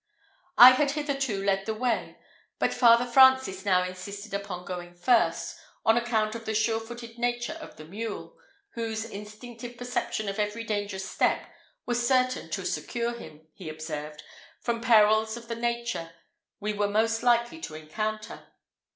I had hitherto led the way, but Father Francis now insisted upon going first, on account of the sure footed nature of the mule, whose instinctive perception of every dangerous step was certain to secure him, he observed, from perils of the nature we were most likely to encounter.